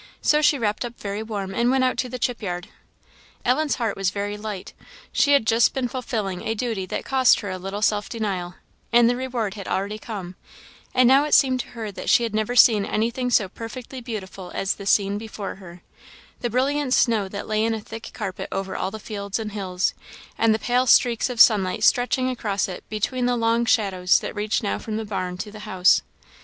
So she wrapped up very warm and went out to the chip yard. Ellen's heart was very light; she had just been fulfilling a duty that cost her a little self denial, and the reward had already come; and now it seemed to her that she had never seen anything so perfectly beautiful as the scene before her the brilliant snow that lay in a thick carpet over all the fields and hills, and the pale streaks of sunlight stretching across it between the long shadows that reached now from the barn to the house.